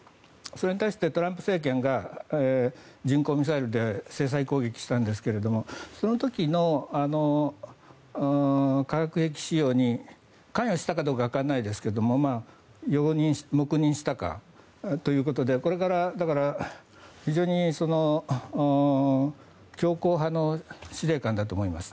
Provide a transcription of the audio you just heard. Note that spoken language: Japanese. それに対して、トランプ政権がミサイルで制裁攻撃をしたんですがその時の化学兵器使用に関与したかどうか分かりませんが黙認したかということで非常に強硬派の司令官だと思います。